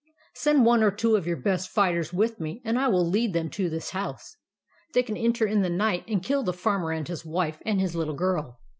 Send one or two of your best fighters with me, and I will lead them to this house. They can enter in the night, and kill the Farmer and his wife and his little girl.